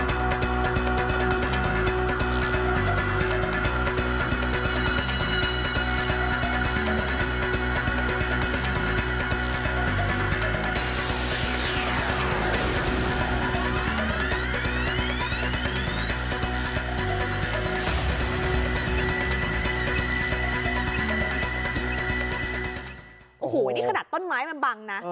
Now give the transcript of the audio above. โอ้โหนี่ขนาดต้นไม้มันบังนะ